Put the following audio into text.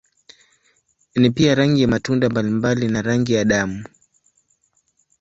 Ni pia rangi ya matunda mbalimbali na rangi ya damu.